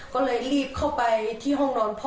ก็เลยรีบเข้าไปที่ห้องนอนพ่อ